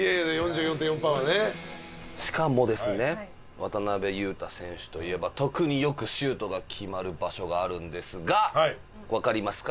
しかもですね渡邊雄太選手といえば特によくシュートが決まる場所があるんですがわかりますか？